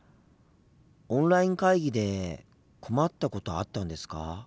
オンライン会議で困ったことあったんですか？